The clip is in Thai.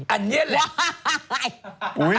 อันนี้แหละ